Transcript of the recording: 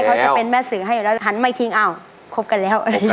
เขาจะเป็นแม่สื่อให้อยู่แล้วหันมาทิ้งอ้าวคบกันแล้ว